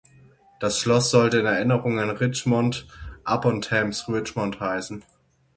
Das Schloss sollte in Erinnerung an Richmond upon Thames Richmond heißen.